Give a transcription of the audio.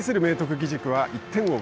義塾は１点を追う